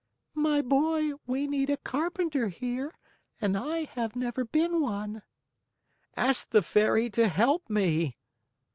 "My boy, we need a carpenter here and I have never been one." "Ask the Fairy to help me!"